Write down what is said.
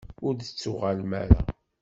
Ur d-tettuɣalem ara.